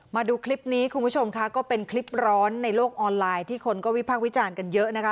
มาดูคลิปนี้คุณผู้ชมค่ะก็เป็นคลิปร้อนในโลกออนไลน์ที่คนก็วิพากษ์วิจารณ์กันเยอะนะคะ